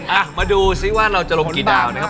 อ่ะมาดูซิว่าเราจะลงกี่ดาวนะครับ